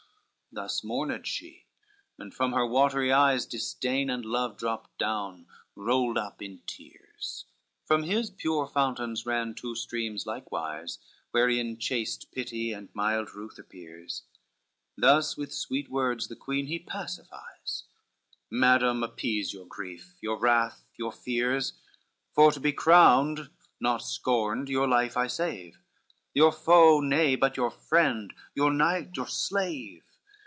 CXXXIV Thus mourned she, and from her watery eyes Disdain and love dropped down, rolled up in tears; From his pure fountains ran two streams likewise, Wherein chaste pity and mild ruth appears: Thus with sweet words the queen he pacifies, "Madam, appease your grief, your wrath, your fears, For to be crowned, not scorned, your life I save; Your foe nay, but your friend, your knight, your slave.